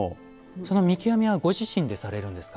その見極めはご自身でされるんですか。